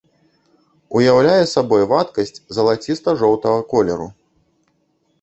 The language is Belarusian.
Уяўляе сабой вадкасць залаціста-жоўтага колеру.